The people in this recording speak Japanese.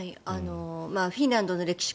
フィンランドの歴史